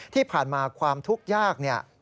ที่ผ่านมาความทุกข์ยาก